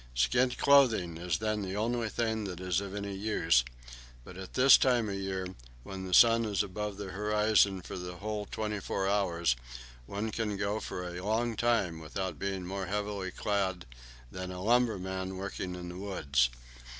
Skin clothing is then the only thing that is of any use; but at this time of year, when the sun is above the horizon for the whole twenty four hours, one can go for a long time without being more heavily clad than a lumberman working in the woods.